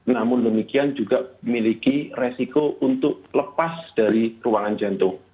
namun demikian juga memiliki resiko untuk lepas dari ruangan jantung